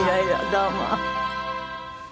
どうも。